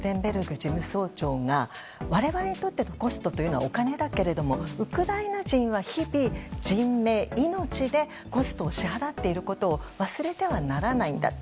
事務総長が我々にとってのコストはお金だけどもウクライナ人は日々人命、命でコストを支払っていることを忘れてはならないんだと。